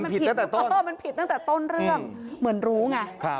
มันผิดแต่ต้นมันผิดตั้งแต่ต้นเรื่องเหมือนรู้ไง